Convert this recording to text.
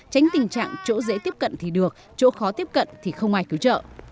tránh tình trạng chỗ dễ tiếp cận thì được chỗ khó tiếp cận thì không ai cứu trợ